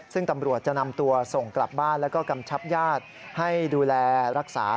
ซึ่งตำรวจจะนำตัวส่งกลับบ้านแล้วก็กำชับญาติให้ดูแลรักษา